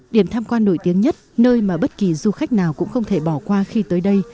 điểm tham quan nổi tiếng nhất nơi mà bất kỳ du khách nào cũng không thể bỏ qua khi tới đây